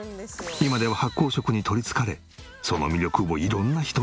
今では発酵食に取り憑かれその魅力を色んな人に伝えたいと。